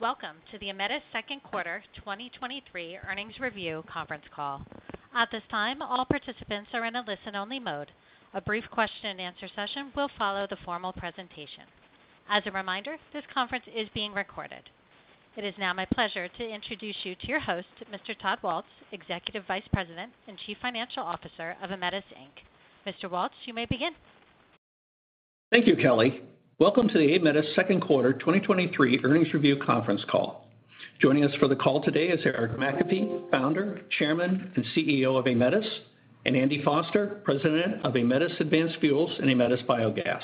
Welcome to the Aemetis Second Quarter 2023 Earnings Review Conference Call. At this time, all participants are in a listen-only mode. A brief question-and-answer session will follow the formal presentation. As a reminder, this conference is being recorded. It is now my pleasure to introduce you to your host, Mr. Todd Waltz, Executive Vice President and Chief Financial Officer of Aemetis, Inc. Mr. Waltz, you may begin. Thank you, Kelly. Welcome to the Aemetis Second Quarter 2023 Earnings Review Conference Call. Joining us for the call today is Eric McAfee, Founder, Chairman, and CEO of Aemetis, and Andy Foster, President of Aemetis Advanced Fuels and Aemetis Biogas.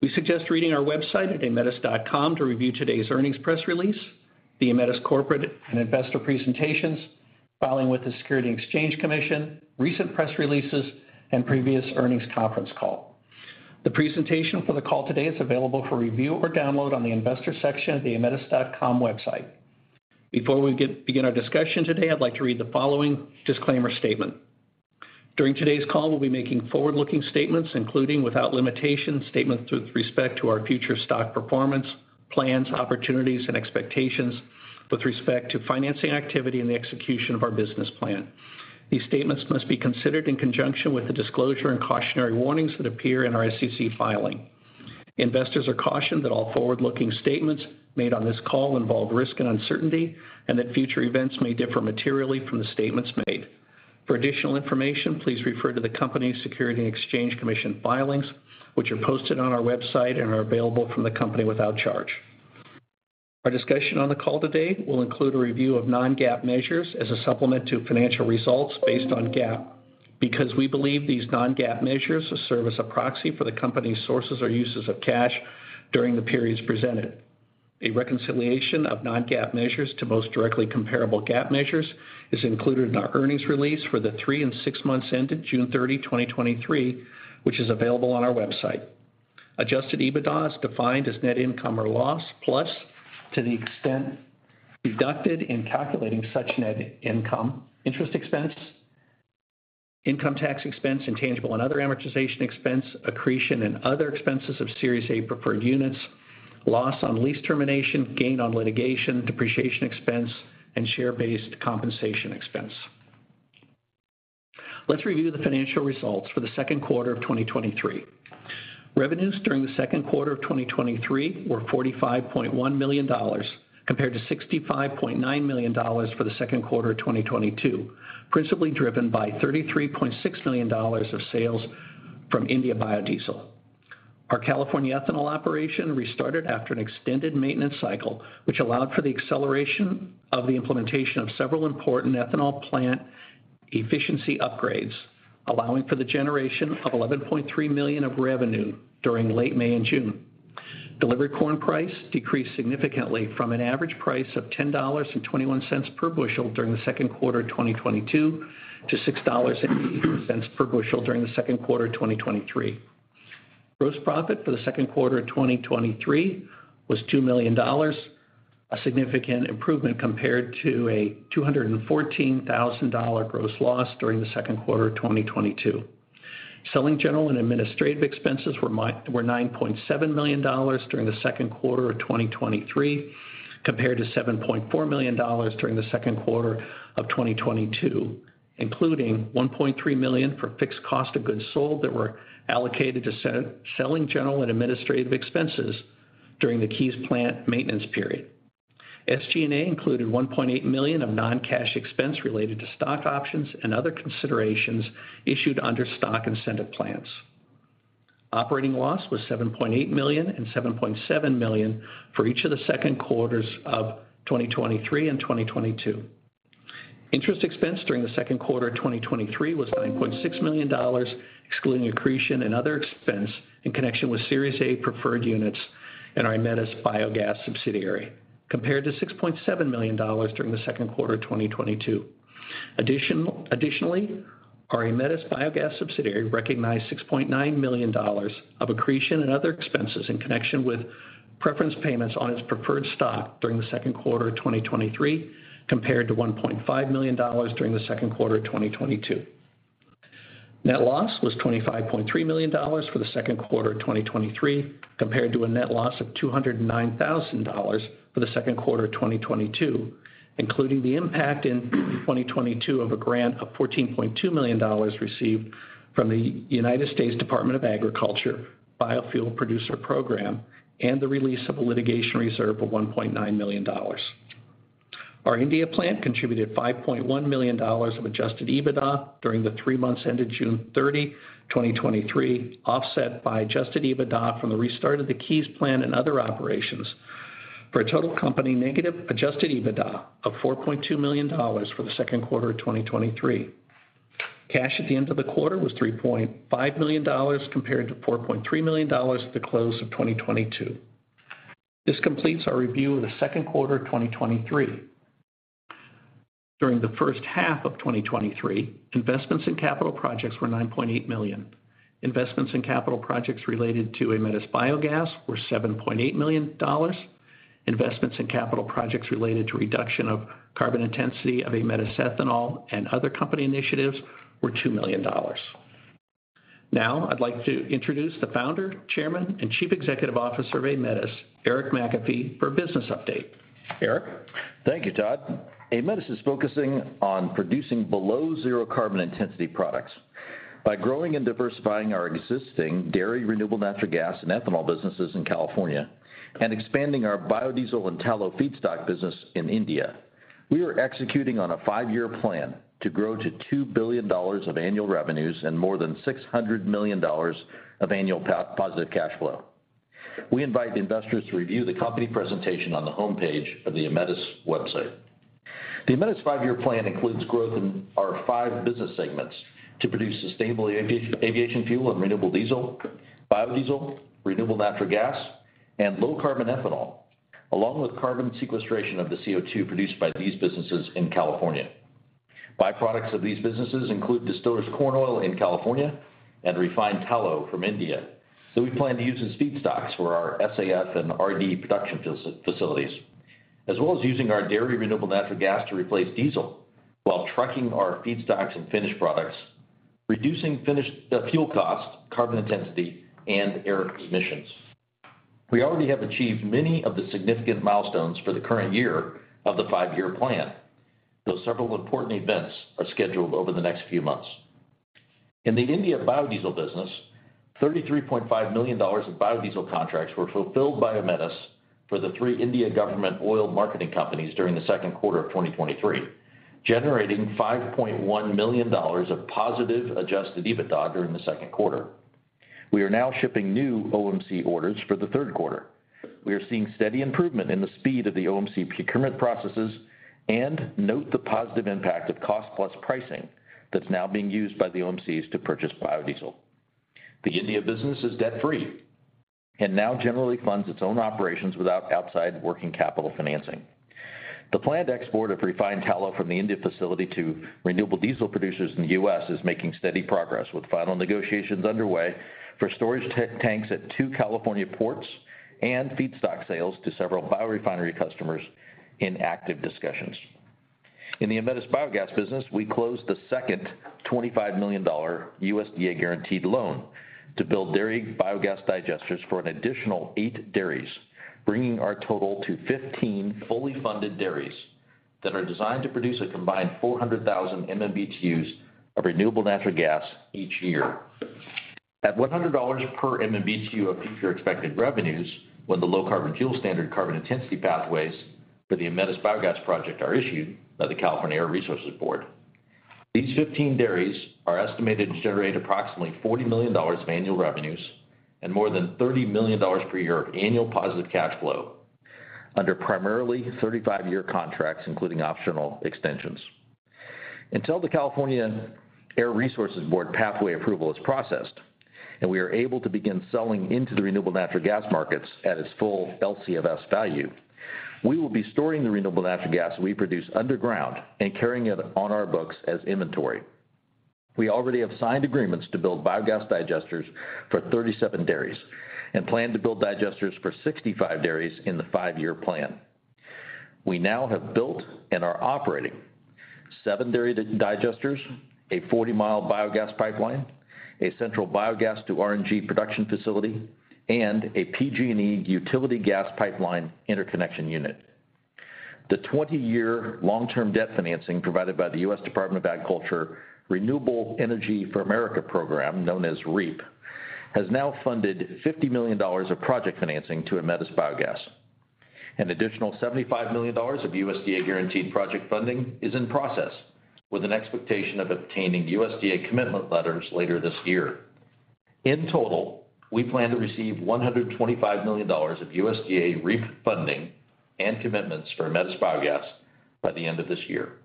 We suggest reading our website at aemetis.com to review today's earnings press release, the Aemetis corporate and investor presentations, filing with the Securities and Exchange Commission, recent press releases, and previous earnings conference call. The presentation for the call today is available for review or download on the investor section of the aemetis.com website. Before we begin our discussion today, I'd like to read the following disclaimer statement: During today's call, we'll be making forward-looking statements, including, without limitation, statements with respect to our future stock performance, plans, opportunities, and expectations with respect to financing activity and the execution of our business plan. These statements must be considered in conjunction with the disclosure and cautionary warnings that appear in our SEC filing. Investors are cautioned that all forward-looking statements made on this call involve risk and uncertainty, and that future events may differ materially from the statements made. For additional information, please refer to the Company's Securities and Exchange Commission filings, which are posted on our website and are available from the company without charge. Our discussion on the call today will include a review of non-GAAP measures as a supplement to financial results based on GAAP, because we believe these non-GAAP measures serve as a proxy for the company's sources or uses of cash during the periods presented. A reconciliation of non-GAAP measures to most directly comparable GAAP measures is included in our earnings release for the 3 and 6 months ended June 30, 2023, which is available on our website. Adjusted EBITDA is defined as net income or loss, plus, to the extent deducted in calculating such net income, interest expense, income tax expense, intangible and other amortization expense, accretion, and other expenses of Series A Preferred Units, loss on lease termination, gain on litigation, depreciation expense, and share-based compensation expense. Let's review the financial results for the second quarter of 2023. Revenues during the second quarter of 2023 were $45.1 million, compared to $65.9 million for the second quarter of 2022, principally driven by $33.6 million of sales from India Biodiesel. Our California ethanol operation restarted after an extended maintenance cycle, which allowed for the acceleration of the implementation of several important ethanol plant efficiency upgrades, allowing for the generation of $11.3 million of revenue during late May and June. Delivery corn price decreased significantly from an average price of $10.21 per bushel during Q2 2022 to $6.80 per bushel during Q2 2023. Gross profit for Q2 2023 was $2 million, a significant improvement compared to a $214,000 gross loss during Q2 2022. Selling, general and administrative expenses were $9.7 million during Q2 2023, compared to $7.4 million during Q2 2022, including $1.3 million for fixed cost of goods sold that were allocated to selling, general, and administrative expenses during the Keyes plant maintenance period. SG&A included $1.8 million of non-cash expense related to stock options and other considerations issued under stock incentive plans. Operating loss was $7.8 million and $7.7 million for each of the second quarters of 2023 and 2022. Interest expense during the second quarter of 2023 was $9.6 million, excluding accretion and other expense in connection with Series A Preferred Units in our Aemetis Biogas subsidiary, compared to $6.7 million during the second quarter of 2022. Additionally, our Aemetis Biogas subsidiary recognized $6.9 million of accretion and other expenses in connection with preference payments on its preferred stock during the second quarter of 2023, compared to $1.5 million during the second quarter of 2022. Net loss was $25.3 million for the second quarter of 2023, compared to a net loss of $209,000 for the second quarter of 2022, including the impact in 2022 of a grant of $14.2 million received from the United States Department of Agriculture Biofuel Producer program and the release of a litigation reserve of $1.9 million. Our India plant contributed $5.1 million of Adjusted EBITDA during the three months ended June 30, 2023, offset by Adjusted EBITDA from the restart of the Keyes plant and other operations, for a total company negative Adjusted EBITDA of $4.2 million for the second quarter of 2023. Cash at the end of the quarter was $3.5 million, compared to $4.3 million at the close of 2022. This completes our review of the Second quarter of 2023. During the first half of 2023, investments in capital projects were $9.8 million. Investments in capital projects related to Aemetis Biogas were $7.8 million. Investments in capital projects related to reduction of carbon intensity of Aemetis Ethanol and other company initiatives were $2 million. Now, I'd like to introduce the Founder, Chairman, and Chief Executive Officer of Aemetis, Eric McAfee, for a business update. Eric? Thank you, Todd. Aemetis is focusing on producing below zero carbon intensity products. By growing and diversifying our existing dairy, renewable natural gas, and ethanol businesses in California, and expanding our biodiesel and tallow feedstock business in India, we are executing on a five-year plan to grow to $2 billion of annual revenues and more than $600 million of annual positive cash flow. We invite investors to review the company presentation on the homepage of the Aemetis website. The Aemetis five-year plan includes growth in our five business segments to produce sustainable aviation, aviation fuel, and renewable diesel, biodiesel, renewable natural gas, and low carbon ethanol, along with carbon sequestration of the CO₂ produced by these businesses in California. Byproducts of these businesses include distillers' corn oil in California and refined tallow from India, that we plan to use as feedstocks for our SAF and RD production facilities, as well as using our dairy renewable natural gas to replace diesel while trucking our feedstocks and finished products, reducing finished fuel cost, carbon intensity, and air emissions. We already have achieved many of the significant milestones for the current year of the five-year plan, though several important events are scheduled over the next few months. In the India biodiesel business, $33.5 million of biodiesel contracts were fulfilled by Aemetis for the three India government oil marketing companies during the second quarter of 2023, generating $5.1 million of positive Adjusted EBITDA during the second quarter. We are now shipping new OMC orders for the third quarter. We are seeing steady improvement in the speed of the OMC procurement processes, and note the positive impact of cost-plus pricing that's now being used by the OMCs to purchase biodiesel. The India business is debt-free and now generally funds its own operations without outside working capital financing. The planned export of refined tallow from the India facility to renewable diesel producers in the US is making steady progress, with final negotiations underway for storage tanks at two California ports and feedstock sales to several biorefinery customers in active discussions. In the Aemetis Biogas business, we closed the second $25 million USDA guaranteed loan to build dairy biogas digesters for an additional eight dairies, bringing our total to 15 fully funded dairies that are designed to produce a combined 400,000 MMBtus of renewable natural gas each year. At $100 per MMBtu of future expected revenues, when the low carbon fuel standard carbon intensity pathways for the Aemetis Biogas project are issued by the California Air Resources Board. These 15 dairies are estimated to generate approximately $40 million of annual revenues and more than $30 million per year of annual positive cash flow, under primarily 35-year contracts, including optional extensions. Until the California Air Resources Board pathway approval is processed, and we are able to begin selling into the renewable natural gas markets at its full LCFS value, we will be storing the renewable natural gas we produce underground and carrying it on our books as inventory. We already have signed agreements to build biogas digesters for 37 dairies and plan to build digesters for 65 dairies in the 5-year plan. We now have built and are operating seven dairy digesters, a 40-mile biogas pipeline, a central biogas to RNG production facility, and a PG&E utility gas pipeline interconnection unit. The 20-year long-term debt financing provided by the US Department of Agriculture, Renewable Energy for America Program, known as REAP, has now funded $50 million of project financing to Aemetis Biogas. Additional $75 million of USDA guaranteed project funding is in process, with an expectation of obtaining USDA commitment letters later this year. In total, we plan to receive $125 million of USDA REAP funding and commitments for Aemetis Biogas by the end of this year.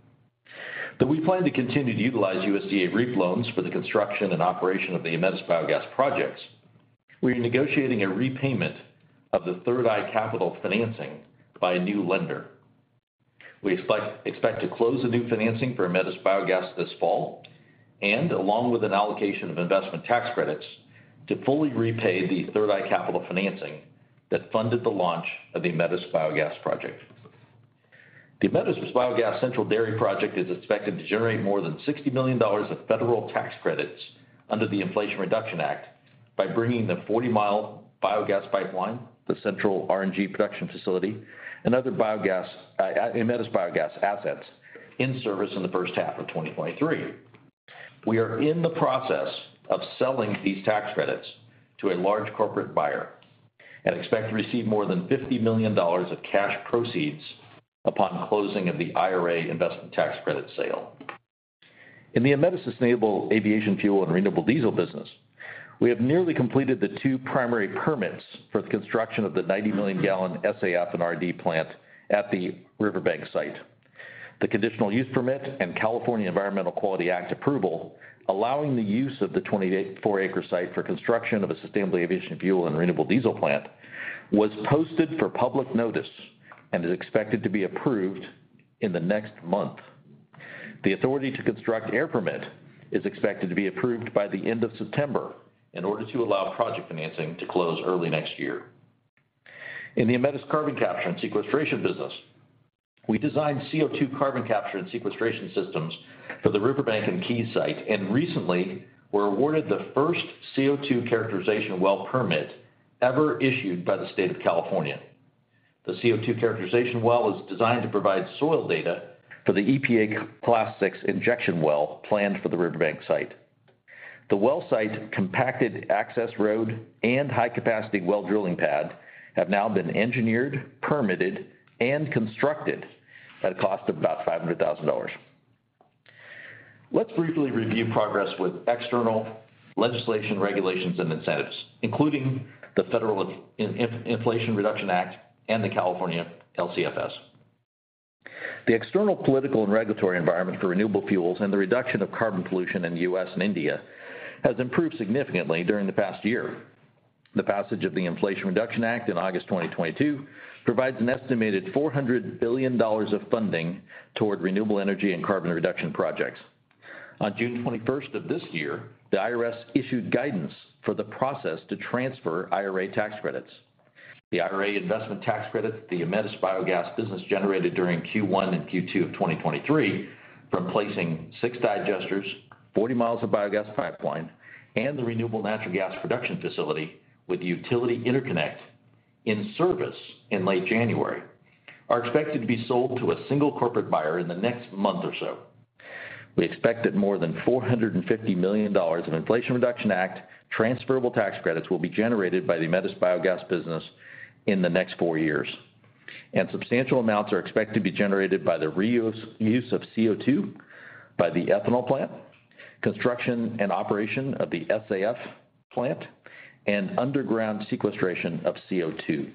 Though we plan to continue to utilize USDA REAP loans for the construction and operation of the Aemetis Biogas projects, we are negotiating a repayment of the Third Eye Capital financing by a new lender. We expect to close the new financing for Aemetis Biogas this fall, and along with an allocation of investment tax credits, to fully repay the Third Eye Capital financing that funded the launch of the Aemetis Biogas project. The Aemetis Biogas Central Dairy project is expected to generate more than $60 million of federal tax credits under the Inflation Reduction Act by bringing the 40-mile biogas pipeline, the central RNG production facility, and other biogas Aemetis Biogas assets in service in the first half of 2023. We are in the process of selling these tax credits to a large corporate buyer and expect to receive more than $50 million of cash proceeds upon closing of the IRA investment tax credit sale. In the Aemetis sustainable aviation fuel and renewable diesel business, we have nearly completed the two primary permits for the construction of the 90 million gallon SAF and RD plant at the Riverbank site. The conditional use permit and California Environmental Quality Act approval, allowing the use of the 284-acre site for construction of a sustainable aviation fuel and renewable diesel plant, was posted for public notice and is expected to be approved in the next month. The authority to construct air permit is expected to be approved by the end of September in order to allow project financing to close early next year. In the Aemetis carbon capture and sequestration business, we designed CO2 carbon capture and sequestration systems for the Riverbank and Keyes site, and recently were awarded the first CO2 characterization well permit ever issued by the state of California. The CO2 characterization well is designed to provide soil data for the EPA Class VI injection well planned for the Riverbank site. The well site compacted access road and high-capacity well drilling pad have now been engineered, permitted, and constructed at a cost of about $500,000. Let's briefly review progress with external legislation, regulations, and incentives, including the Federal Inflation Reduction Act and the California LCFS. The external political and regulatory environment for renewable fuels and the reduction of carbon pollution in the U.S. and India has improved significantly during the past year. The passage of the Inflation Reduction Act in August 2022 provides an estimated $400 billion of funding toward renewable energy and carbon reduction projects. On June 21st of this year, the IRS issued guidance for the process to transfer IRA tax credits. The IRA investment tax credit, the Aemetis Biogas business generated during Q1 and Q2 of 2023, from placing six digesters, 40 miles of biogas pipeline, and the renewable natural gas production facility with utility interconnect in service in late January, are expected to be sold to a single corporate buyer in the next month or so. We expect that more than $450 million of Inflation Reduction Act, transferable tax credits will be generated by the Aemetis Biogas business in the next four years. And substantial amounts are expected to be generated by the reuse of CO2, by the ethanol plant, construction and operation of the SAF plant, and underground sequestration of CO2.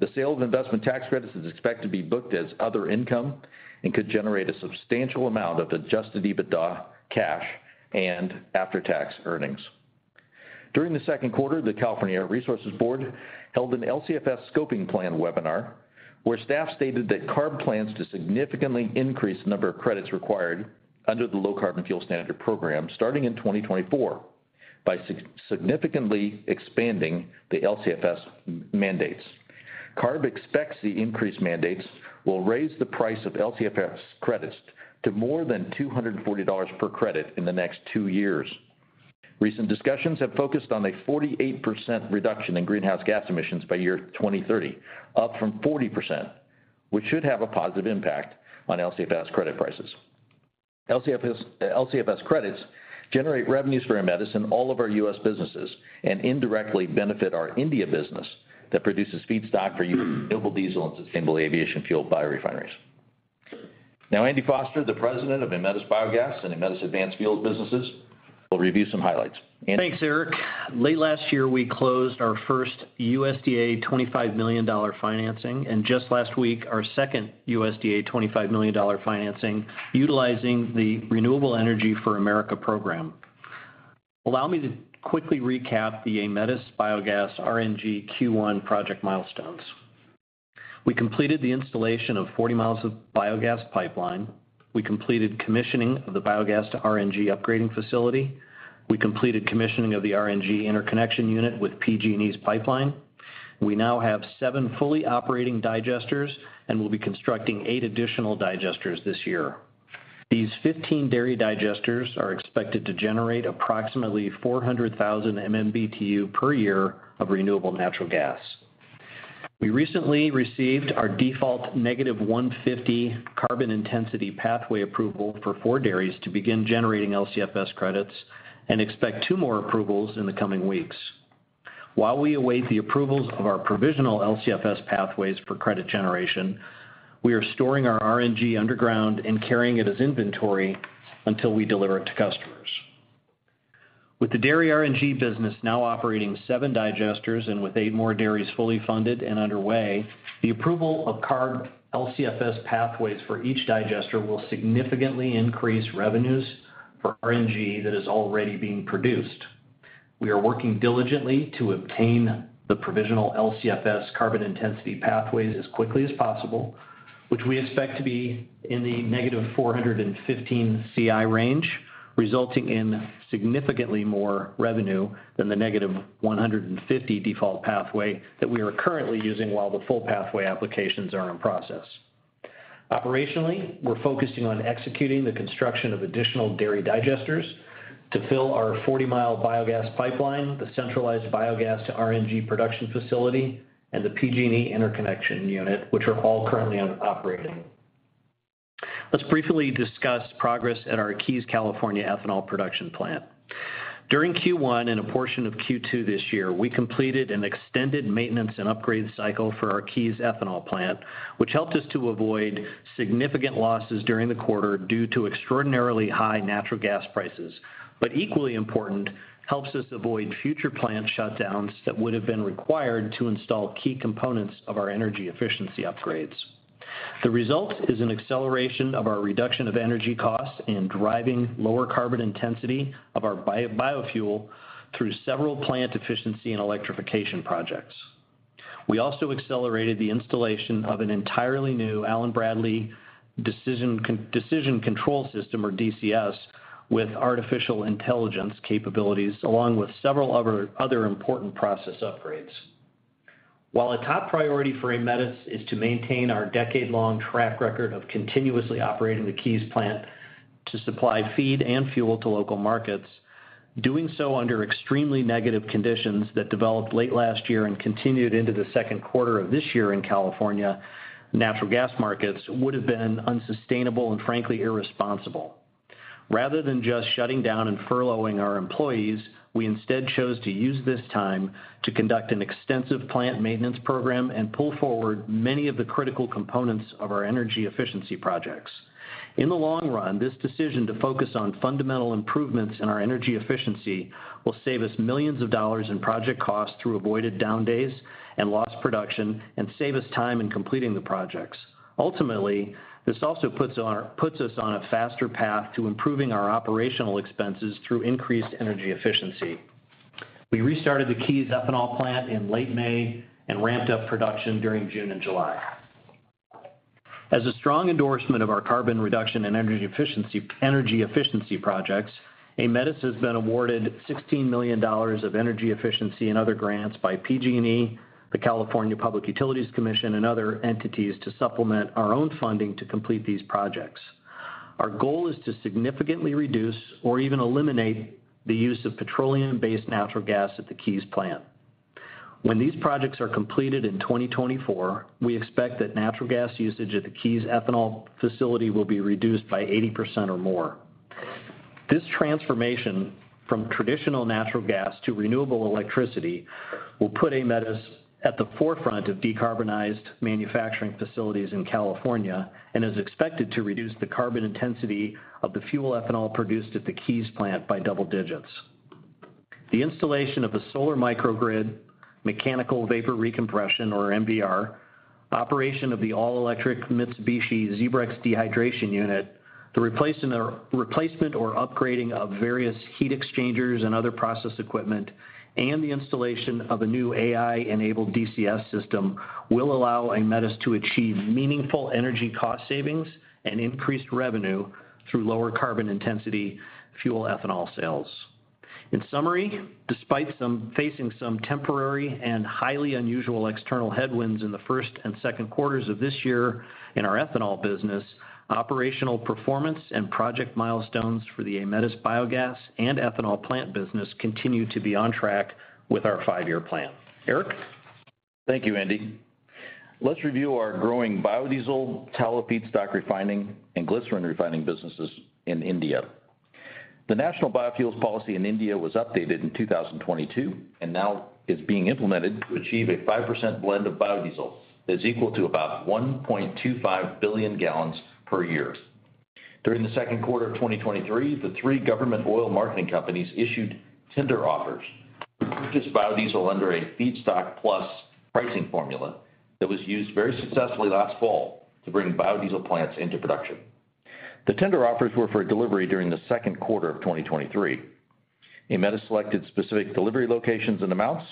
The sale of investment tax credits is expected to be booked as other income and could generate a substantial amount of Adjusted EBITDA cash and after-tax earnings. During the Second quarter, the California Air Resources Board held an LCFS scoping plan webinar, where staff stated that CARB plans to significantly increase the number of credits required under the Low Carbon Fuel Standard program, starting in 2024, by significantly expanding the LCFS mandates. CARB expects the increased mandates will raise the price of LCFS credits to more than $240 per credit in the next 2 years. Recent discussions have focused on a 48% reduction in greenhouse gas emissions by year 2030, up from 40%, which should have a positive impact on LCFS credit prices. LCFS credits generate revenues for Aemetis in all of our U.S. businesses and indirectly benefit our India business, that produces feedstock for renewable diesel and sustainable aviation fuel biorefineries. Now, Andy Foster, the President of Aemetis Biogas and Aemetis Advanced Fuels businesses, will review some highlights. Andy? Thanks, Eric. Late last year, we closed our first USDA $25 million financing, and just last week, our second USDA $25 million financing, utilizing the Renewable Energy for America program. Allow me to quickly recap the Aemetis Biogas RNG Q1 project milestones. We completed the installation of 40 mi of biogas pipeline. We completed commissioning of the biogas to RNG upgrading facility. We completed commissioning of the RNG interconnection unit with PG&E's pipeline. We now have seven fully operating digesters and will be constructing eight additional digesters this year. These 15 dairy digesters are expected to generate approximately 400,000 MMBtu per year of renewable natural gas. We recently received our default negative 150 carbon intensity pathway approval for four dairies to begin generating LCFS credits and expect two more approvals in the coming weeks. While we await the approvals of our provisional LCFS pathways for credit generation, we are storing our RNG underground and carrying it as inventory until we deliver it to customers. With the dairy RNG business now operating 7 digesters and with 8 more dairies fully funded and underway, the approval of CARB LCFS pathways for each digester will significantly increase revenues for RNG that is already being produced. We are working diligently to obtain the provisional LCFS carbon intensity pathways as quickly as possible, which we expect to be in the negative 415 CI range, resulting in significantly more revenue than the negative 150 default pathway that we are currently using while the full pathway applications are in process. Operationally, we're focusing on executing the construction of additional dairy digesters to fill our 40-mile biogas pipeline, the centralized biogas to RNG production facility, and the PG&E interconnection unit, which are all currently operating. Let's briefly discuss progress at our Keyes, California, ethanol production plant. During Q1 and a portion of Q2 this year, we completed an extended maintenance and upgrade cycle for our Keyes ethanol plant, which helped us to avoid significant losses during the quarter due to extraordinarily high natural gas prices. Equally important, helps us avoid future plant shutdowns that would have been required to install key components of our energy efficiency upgrades. The result is an acceleration of our reduction of energy costs and driving lower carbon intensity of our biofuel through several plant efficiency and electrification projects. We also accelerated the installation of an entirely new Allen-Bradley Distributed Control System, or DCS, with artificial intelligence capabilities, along with several other important process upgrades. While a top priority for Aemetis is to maintain our decade-long track record of continuously operating the Keyes plant to supply feed and fuel to local markets, doing so under extremely negative conditions that developed late last year and continued into the second quarter of 2023 in California, natural gas markets would have been unsustainable and frankly, irresponsible. Rather than just shutting down and furloughing our employees, we instead chose to use this time to conduct an extensive plant maintenance program and pull forward many of the critical components of our energy efficiency projects. In the long run, this decision to focus on fundamental improvements in our energy efficiency will save us millions of dollars in project costs through avoided down days and lost production, save us time in completing the projects. Ultimately, this also puts us on a faster path to improving our operational expenses through increased energy efficiency. We restarted the Keyes Ethanol Plant in late May and ramped up production during June and July. As a strong endorsement of our carbon reduction and energy efficiency projects, Aemetis has been awarded $16 million of energy efficiency and other grants by PG and E, the California Public Utilities Commission, and other entities to supplement our own funding to complete these projects. Our goal is to significantly reduce or even eliminate the use of petroleum-based natural gas at the Keyes plant. When these projects are completed in 2024, we expect that natural gas usage at the Keyes Ethanol facility will be reduced by 80% or more. This transformation from traditional natural gas to renewable electricity will put Aemetis at the forefront of decarbonized manufacturing facilities in California, and is expected to reduce the carbon intensity of the fuel ethanol produced at the Keyes plant by double digits. The installation of a solar microgrid, mechanical vapor recompression, or MVR, operation of the all-electric Mitsubishi ZEBREX dehydration unit, the replacing or replacement or upgrading of various heat exchangers and other process equipment, and the installation of a new A.I.-enabled DCS system, will allow Aemetis to achieve meaningful energy cost savings and increased revenue through lower carbon intensity fuel ethanol sales. In summary, despite some facing some temporary and highly unusual external headwinds in the first and second quarters of this year in our ethanol business, operational performance and project milestones for the Aemetis Biogas and Ethanol Plant business continue to be on track with our 5-year plan. Eric? Thank you, Andy. Let's review our growing biodiesel, tallow feedstock refining, and glycerin refining businesses in India. The National Biofuels Policy in India was updated in 2022, and now is being implemented to achieve a 5% blend of biodiesel that is equal to about 1.25 billion gallons per year. During Q2 2023, the 3 government oil marketing companies issued tender offers to purchase biodiesel under a feedstock plus pricing formula that was used very successfully last fall to bring biodiesel plants into production. The tender offers were for delivery during Q2 2023. Aemetis selected specific delivery locations and amounts,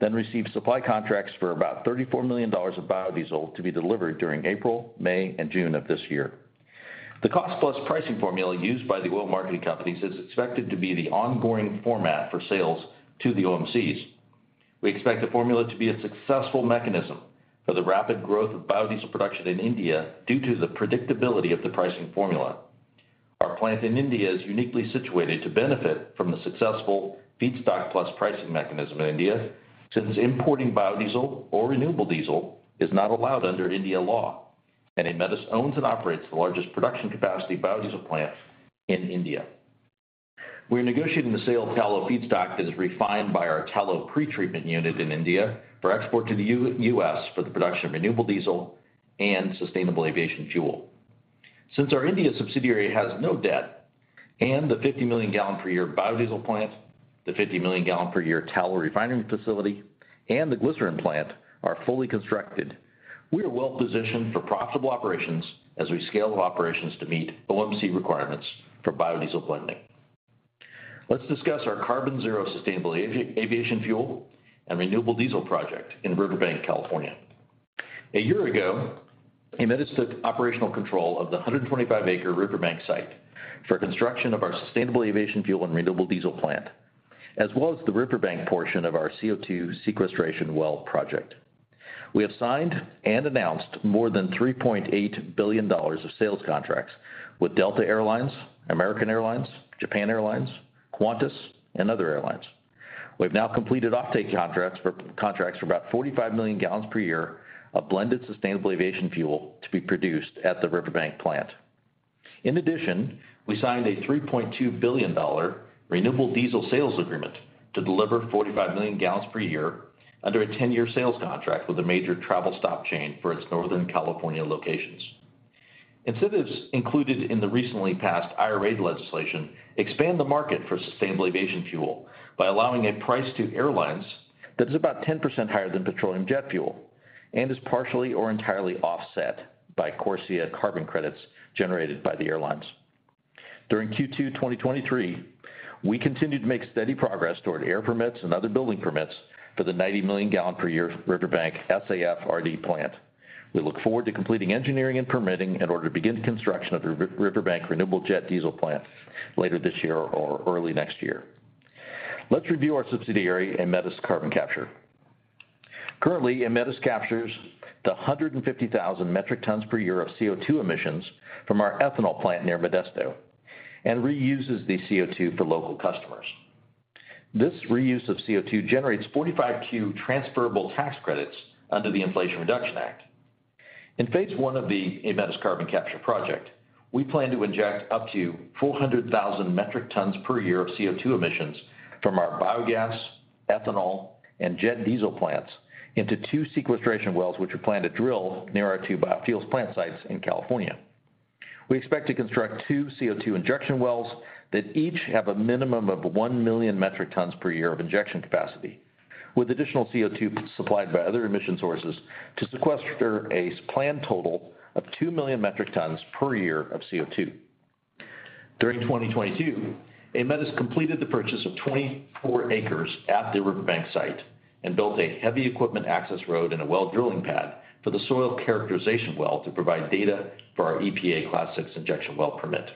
then received supply contracts for about $34 million of biodiesel to be delivered during April, May, and June of this year. The cost-plus pricing formula used by the oil marketing companies is expected to be the ongoing format for sales to the OMCs. We expect the formula to be a successful mechanism for the rapid growth of biodiesel production in India, due to the predictability of the pricing formula. Our plant in India is uniquely situated to benefit from the successful feedstock plus pricing mechanism in India, since importing biodiesel or renewable diesel is not allowed under India law, and Aemetis owns and operates the largest production capacity biodiesel plant in India. We are negotiating the sale of tallow feedstock that is refined by our tallow pretreatment unit in India for export to the U.S., for the production of renewable diesel and sustainable aviation fuel. Since our India subsidiary has no debt, and the 50 million gallon per year biodiesel plant, the 50 million gallon per year tallow refining facility, and the glycerin plant are fully constructed, we are well positioned for profitable operations as we scale operations to meet OMC requirements for biodiesel blending. Let's discuss our carbon zero sustainable aviation fuel and renewable diesel project in Riverbank, California. A year ago, Aemetis took operational control of the 125-acre Riverbank site for construction of our sustainable aviation fuel and renewable diesel plant, as well as the Riverbank portion of our CO₂ sequestration well project. We have signed and announced more than $3.8 billion of sales contracts with Delta Air Lines, American Airlines, Japan Airlines, Qantas, and other airlines. We've now completed offtake contracts for, contracts for about 45 million gallons per year of blended sustainable aviation fuel to be produced at the Riverbank plant. In addition, we signed a $3.2 billion renewable diesel sales agreement to deliver 45 million gallons per year under a 10-year sales contract with a major travel stop chain for its Northern California locations. Incentives included in the recently passed IRA legislation expand the market for sustainable aviation fuel by allowing a price to airlines that is about 10% higher than petroleum jet fuel, and is partially or entirely offset by CORSIA carbon credits generated by the airlines. During Q2 2023, we continued to make steady progress toward air permits and other building permits for the 90 million gallon per year Riverbank SAF/RD plant. We look forward to completing engineering and permitting in order to begin construction of the Riverbank Renewable Jet Diesel plant later this year or early next year. Let's review our subsidiary, Aemetis Carbon Capture. Currently, Aemetis captures 150,000 metric tons per year of CO2 emissions from our ethanol plant near Modesto, and reuses the CO2 for local customers. This reuse of CO2 generates 45Q transferable tax credits under the Inflation Reduction Act. In phase one of the Aemetis Carbon Capture project, we plan to inject up to 400,000 metric tons per year of CO2 emissions from our biogas, ethanol, and jet diesel plants into two sequestration wells, which are planned to drill near our two biofuels plant sites in California. We expect to construct two CO2 injection wells that each have a minimum of 1 million metric tons per year of injection capacity, with additional CO2 supplied by other emission sources, to sequester a planned total of 2 million metric tons per year of CO2. During 2022, Aemetis completed the purchase of 24 acres at the Riverbank site and built a heavy equipment access road and a well drilling pad for the soil characterization well to provide data for our EPA Class 6 injection well permit.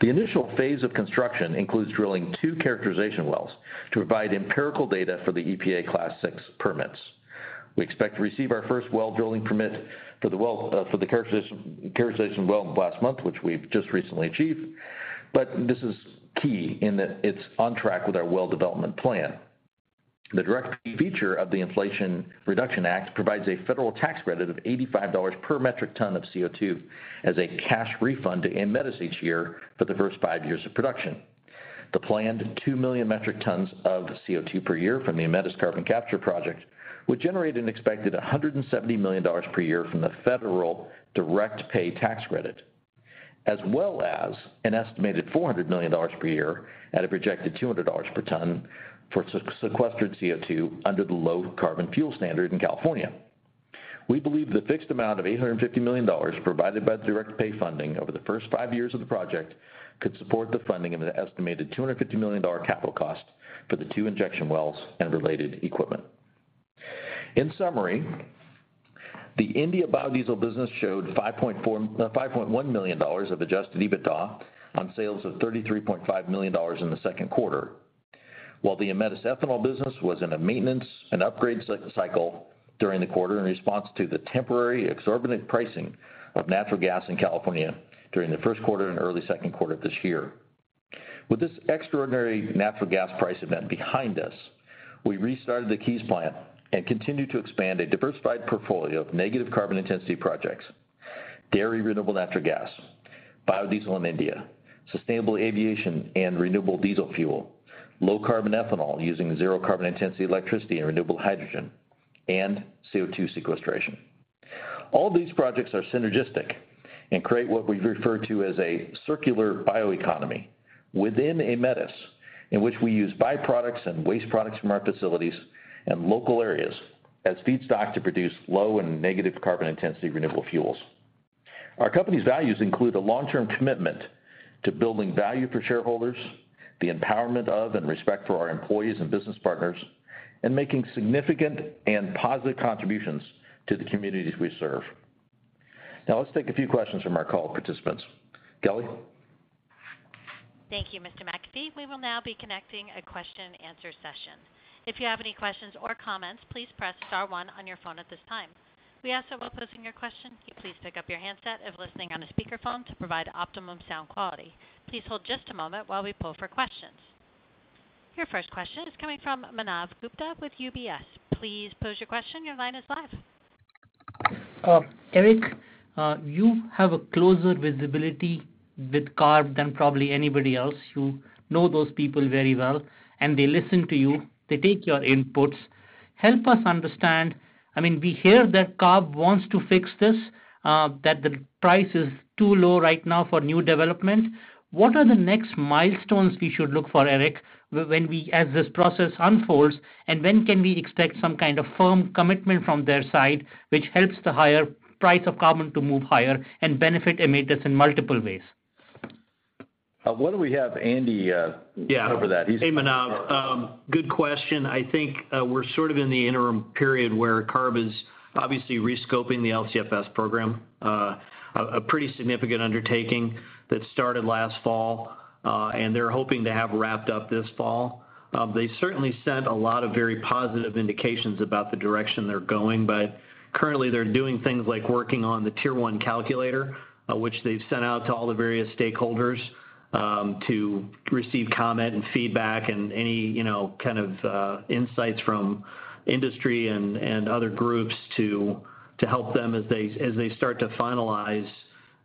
The initial phase of construction includes drilling two characterization wells to provide empirical data for the EPA Class 6 permits. We expect to receive our first well drilling permit for the well, for the characterization, characterization well last month, which we've just recently achieved. This is key in that it's on track with our well development plan. The direct feature of the Inflation Reduction Act provides a federal tax credit of $85 per metric ton of CO2 as a cash refund to Aemetis each year for the first five years of production. The planned 2 million metric tons of CO2 per year from the Aemetis Carbon Capture project, would generate an expected $170 million per year from the federal direct pay tax credit, as well as an estimated $400 million per year at a projected $200 per ton for sequestered CO2 under the low carbon fuel standard in California. We believe the fixed amount of $850 million provided by the direct pay funding over the first five years of the project, could support the funding of an estimated $250 million capital cost for the two injection wells and related equipment. In summary, the India biodiesel business showed $5.1 million of Adjusted EBITDA on sales of $33.5 million in the Second Quarter, while the Aemetis ethanol business was in a maintenance and upgrade cycle during the quarter, in response to the temporary exorbitant pricing of natural gas in California during the First Quarter and early Second Quarter of this year. With this extraordinary natural gas price event behind us, we restarted the Keyes plant and continued to expand a diversified portfolio of negative carbon intensity projects, dairy, renewable natural gas, biodiesel in India, sustainable aviation and renewable diesel fuel, low carbon ethanol using zero carbon intensity electricity and renewable hydrogen, and CO2 sequestration. All these projects are synergistic and create what we refer to as a circular bioeconomy within Aemetis, in which we use byproducts and waste products from our facilities and local areas as feedstock to produce low and negative carbon intensity renewable fuels. Our company's values include a long-term commitment to building value for shareholders, the empowerment of, and respect for our employees and business partners, and making significant and positive contributions to the communities we serve. Now, let's take a few questions from our call participants. Kelly? Thank you, Mr. McAfee. We will now be connecting a question and answer session. If you have any questions or comments, please press star one on your phone at this time. We ask that while posing your question, you please pick up your handset if listening on a speakerphone to provide optimum sound quality. Please hold just a moment while we poll for questions. Your first question is coming from Manav Gupta with UBS. Please pose your question. Your line is live. Eric, you have a closer visibility with CARB than probably anybody else. You know those people very well, and they listen to you, they take your inputs. Help us understand. I mean, we hear that CARB wants to fix this, that the price is too low right now for new development. What are the next milestones we should look for, Eric, when we as this process unfolds, and when can we expect some kind of firm commitment from their side, which helps the higher price of carbon to move higher and benefit Aemetis in multiple ways? why don't we have Andy, Yeah. cover that? Hey, Manav, good question. I think, we're sort of in the interim period where CARB is obviously rescoping the LCFS program, a pretty significant undertaking that started last fall, and they're hoping to have wrapped up this fall. They certainly sent a lot of very positive indications about the direction they're going, but currently, they're doing things like working on the tier one calculator, which they've sent out to all the various stakeholders, to receive comment and feedback and any, you know, kind of insights from industry and other groups to help them as they start to finalize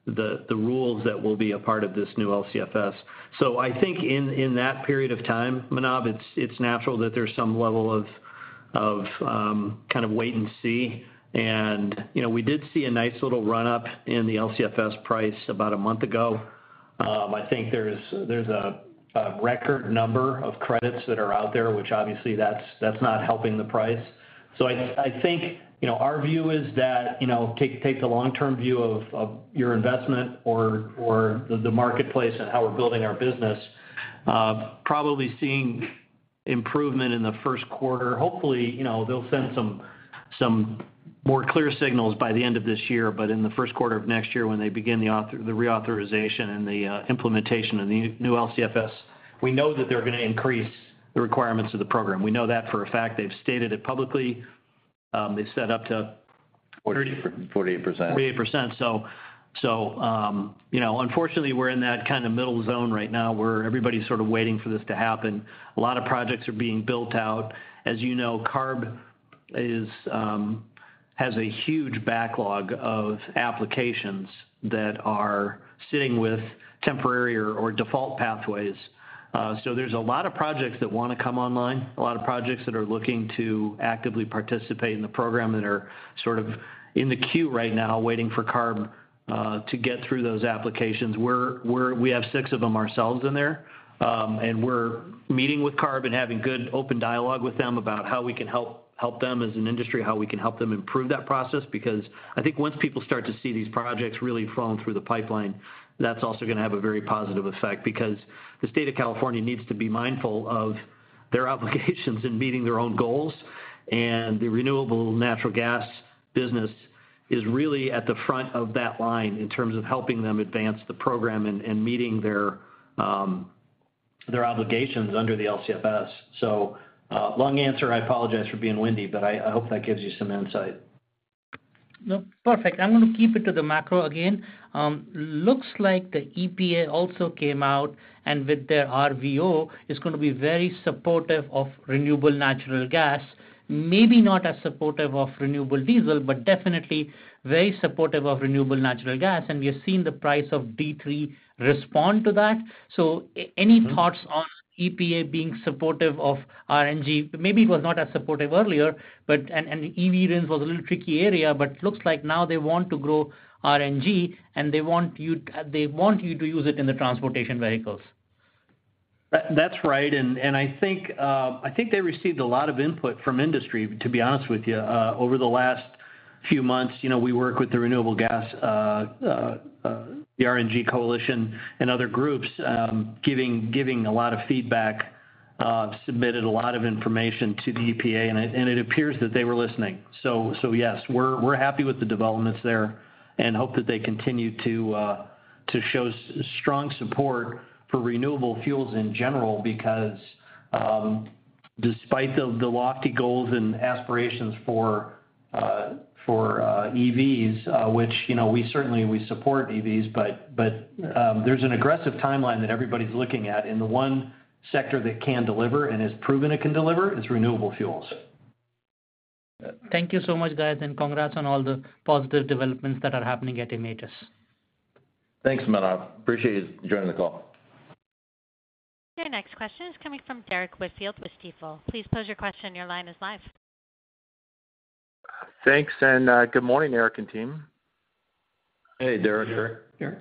the rules that will be a part of this new LCFS. I think in that period of time, Manav, it's natural that there's some level of, of, kind of wait and see. You know, we did see a nice little run-up in the LCFS price about a month ago. I think there's, there's a, a record number of credits that are out there, which obviously that's, that's not helping the price. I, I think, you know, our view is that, you know, take, take the long-term view of, of your investment or, or the, the marketplace and how we're building our business. Probably seeing improvement in the first quarter. Hopefully, you know, they'll send some, some more clear signals by the end of this year. In the first quarter of next year, when they begin the reauthorization and the implementation of the new LCFS, we know that they're gonna increase the requirements of the program. We know that for a fact. They've stated it publicly, they've set up to. 44, 48%. 48%. You know, unfortunately, we're in that kind of middle zone right now, where everybody's sort of waiting for this to happen. A lot of projects are being built out. As you know, CARB is has a huge backlog of applications that are sitting with temporary or, or default pathways. There's a lot of projects that wanna come online, a lot of projects that are looking to actively participate in the program that are sort of in the queue right now, waiting for CARB to get through those applications. We have 6 of them ourselves in there. We're meeting with CARB and having good open dialogue with them about how we can help, help them as an industry, how we can help them improve that process, because I think once people start to see these projects really flowing through the pipeline, that's also gonna have a very positive effect. The state of California needs to be mindful of their obligations in meeting their own goals, and the renewable natural gas business is really at the front of that line in terms of helping them advance the program and, and meeting their obligations under the LCFS. Long answer, I apologize for being windy, but I, I hope that gives you some insight. No, perfect. I'm gonna keep it to the macro again. looks like the EPA also came out, and with their RVO, is gonna be very supportive of renewable natural gas. Maybe not as supportive of renewable diesel, but definitely very supportive of renewable natural gas, and we have seen the price of D3 respond to that. Mm-hmm. Any thoughts on EPA being supportive of RNG? Maybe it was not as supportive earlier, and the E.V. rims was a little tricky area, but looks like now they want to grow RNG, and they want you to use it in the transportation vehicles. That's right, I think they received a lot of input from industry, to be honest with you. Over the last few months, you know, we worked with the Renewable Gas, the RNG Coalition and other groups, giving a lot of feedback, submitted a lot of information to the EPA, and it appears that they were listening. Yes, we're happy with the developments there and hope that they continue to show strong support for renewable fuels in general, because, despite the lofty goals and aspirations for EVs, which, you know, we certainly support EVs, but, there's an aggressive timeline that everybody's looking at, and the one sector that can deliver and has proven it can deliver, is renewable fuels. Thank you so much, guys, and congrats on all the positive developments that are happening at Aemetis. Thanks, Manav. Appreciate you joining the call. Your next question is coming from Derrick Whitfield with Stifel. Please pose your question. Your line is live. Thanks, good morning, Eric and team. Hey, Derrick. Derrick. Derrick.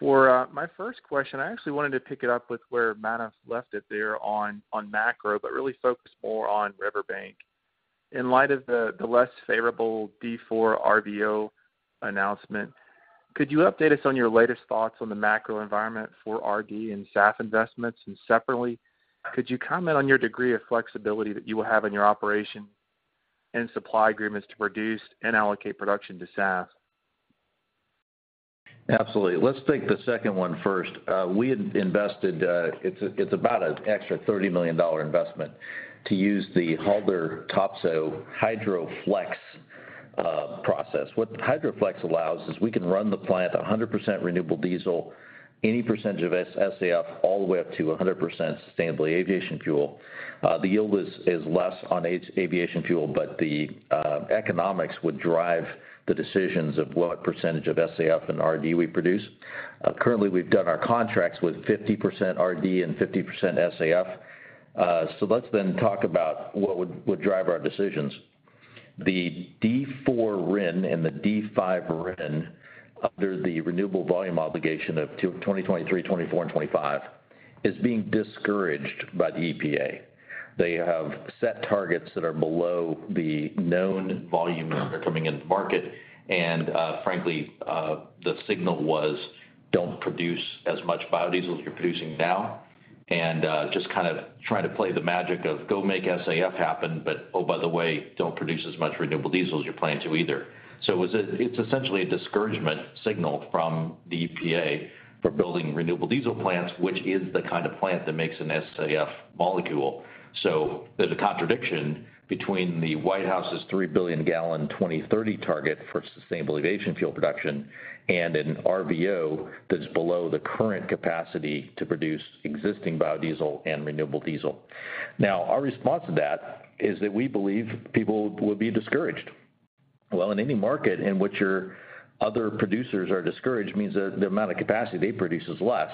For, my first question, I actually wanted to pick it up with where Manav left it there on, on macro, but really focus more on Riverbank. In light of the, the less favorable D4 RVO announcement, could you update us on your latest thoughts on the macro environment for RD and SAF investments? Separately, could you comment on your degree of flexibility that you will have in your operation and supply agreements to produce and allocate production to SAF? Absolutely. Let's take the second one first. We had invested, it's about an extra $30 million investment to use the Haldor Topsoe HydroFlex process. What HydroFlex allows is we can run the plant at 100% renewable diesel, any percentage of SAF, all the way up to 100% sustainably aviation fuel. The yield is less on its aviation fuel, but the economics would drive the decisions of what percentage of SAF and RD we produce. Currently, we've done our contracts with 50% RD and 50% SAF. Let's then talk about what would drive our decisions. The D4 RIN and the D5 RIN, under the renewable volume obligation of 2023, 2024, and 2025, is being discouraged by the EPA. They have set targets that are below the known volume that are coming into the market, and, frankly, the signal was, "Don't produce as much biodiesel as you're producing now," and, just kind of try to play the magic of: Go make SAF happen, but, oh, by the way, don't produce as much renewable diesel as you're planning to either. It's, it's essentially a discouragement signal from the EPA for building renewable diesel plants, which is the kind of plant that makes an SAF molecule. There's a contradiction between the White House's 3 billion gallon 2030 target for sustainable aviation fuel production, and an RVO that's below the current capacity to produce existing biodiesel and renewable diesel. Our response to that is that we believe people will be discouraged. In any market in which your other producers are discouraged, means that the amount of capacity they produce is less.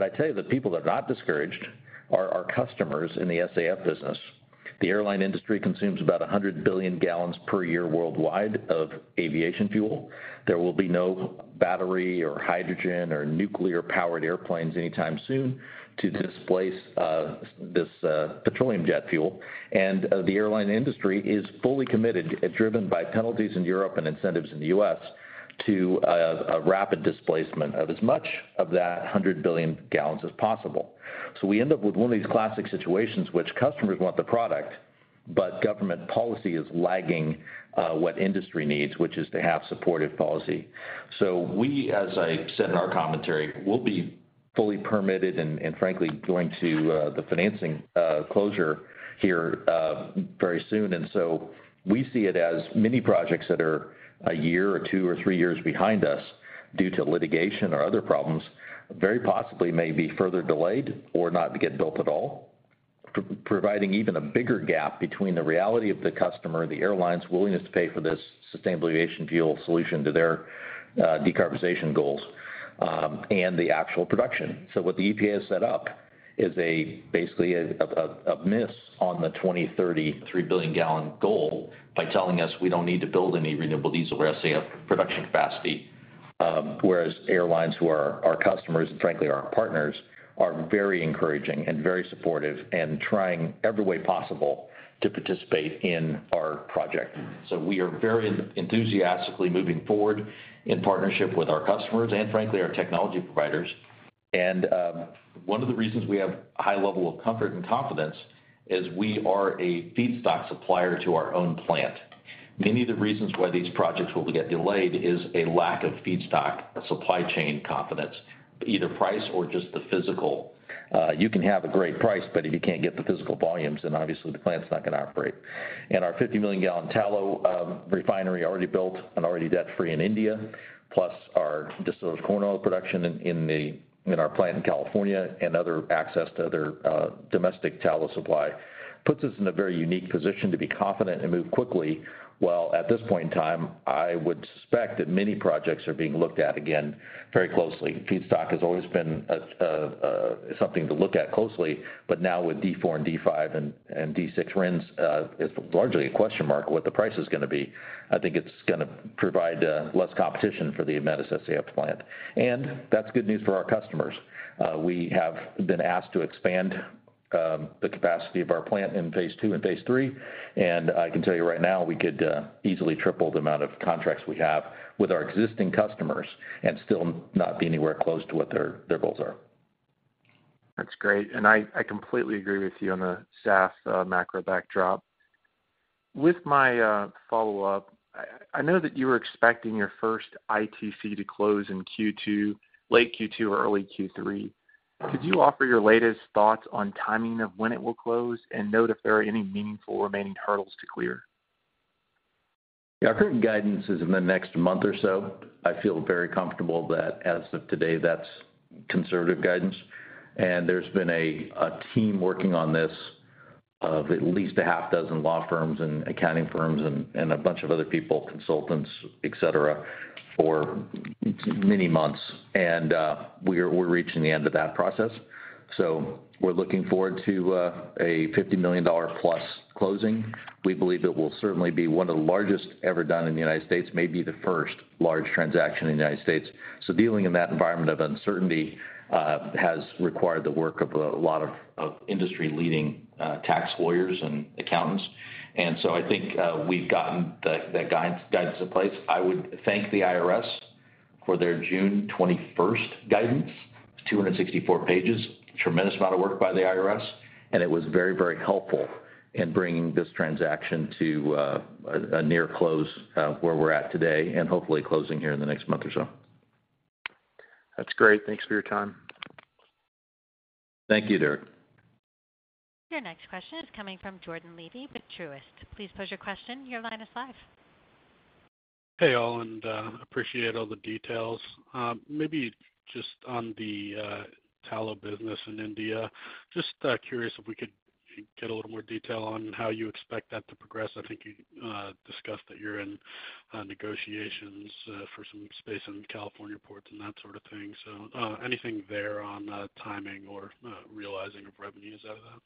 I tell you, the people that are not discouraged are our customers in the SAF business. The airline industry consumes about 100 billion gallons per year worldwide of aviation fuel. There will be no battery, or hydrogen, or nuclear-powered airplanes anytime soon to displace this petroleum jet fuel. The airline industry is fully committed, and driven by penalties in Europe and incentives in the U.S. to a rapid displacement of as much of that 100 billion gallons as possible. We end up with one of these classic situations, which customers want the product, but government policy is lagging what industry needs, which is to have supportive policy. We, as I said in our commentary, we'll be fully permitted and, frankly, going to the financing closure here very soon. We see it as many projects that are a year or two or three years behind us, due to litigation or other problems, very possibly may be further delayed or not get built at all, providing even a bigger gap between the reality of the customer, the airline's willingness to pay for this sustainable aviation fuel solution to their decarbonization goals and the actual production. What the EPA has set up is basically a miss on the 2030, 3 billion gallon goal by telling us we don't need to build any renewable diesel or SAF production capacity. Whereas airlines who are our customers, and frankly, our partners, are very encouraging and very supportive and trying every way possible to participate in our project. We are very enthusiastically moving forward in partnership with our customers and frankly, our technology providers. One of the reasons we have a high level of comfort and confidence is we are a feedstock supplier to our own plant. Many of the reasons why these projects will get delayed is a lack of feedstock, supply chain confidence, either price or just the physical. You can have a great price, but if you can't get the physical volumes, then obviously the plant's not gonna operate. Our 50 million gallon tallow refinery already built and already debt-free in India, plus our distilled corn oil production in, in the, in our plant in California and other access to other domestic tallow supply, puts us in a very unique position to be confident and move quickly. While at this point in time, I would suspect that many projects are being looked at again, very closely. Feedstock has always been a something to look at closely, but now with D4 and D5 and D6 RINs, it's largely a question mark, what the price is gonna be. I think it's gonna provide less competition for the Aemetis SAF plant, and that's good news for our customers. We have been asked to expand the capacity of our plant in phase 2 and phase 3, and I can tell you right now, we could easily triple the amount of contracts we have with our existing customers and still not be anywhere close to what their, their goals are. That's great, and I, I completely agree with you on the SAF, macro backdrop. With my, follow-up, I, I know that you were expecting your first ITC to close in Q2, late Q2 or early Q3. Could you offer your latest thoughts on timing of when it will close? Note if there are any meaningful remaining hurdles to clear. Yeah, our current guidance is in the next month or so. I feel very comfortable that as of today, that's conservative guidance, there's been a team working on this, of at least a half dozen law firms and accounting firms and a bunch of other people, consultants, et cetera, for many months. We're reaching the end of that process. We're looking forward to a $50 million plus closing. We believe it will certainly be one of the largest ever done in the United States, maybe the first large transaction in the United States. Dealing in that environment of uncertainty has required the work of a lot of industry-leading tax lawyers and accountants. So I think we've gotten the guidance in place. I would thank the IRS for their June 21st guidance, 264 pages, tremendous amount of work by the IRS, and it was very, very helpful in bringing this transaction to, a, a near close, where we're at today, and hopefully closing here in the next month or so. That's great. Thanks for your time. Thank you, Derrick. Your next question is coming from Jordan Levy with Truist. Please pose your question. Your line is live. Hey, all, appreciate all the details. Maybe just on the tallow business in India. Just curious if we could get a little more detail on how you expect that to progress. I think you discussed that you're in negotiations for some space in California ports and that sort of thing. Anything there on timing or realizing of revenues out of that?